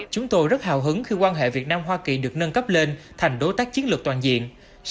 chúng tôi rất hào hứng khi quan hệ việt nam hoa kỳ được nâng cấp lên thành đối tác chiến lược toàn diện